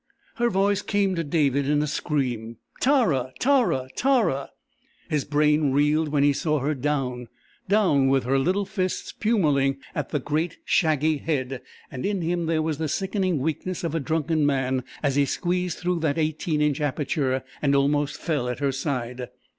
Her voice came to David in a scream. "Tara Tara Tara " His brain reeled when he saw her down down! with her little fists pummelling at a great, shaggy head; and in him there was the sickening weakness of a drunken man as he squeezed through that 18 inch aperture and almost fell at her side.